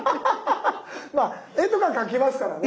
まあ絵とか描きますからね。